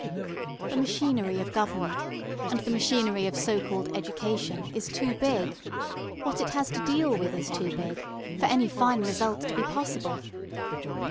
The machinery of government and the machinery of so called education is too big what it has to deal with is too big for any fine result to be possible.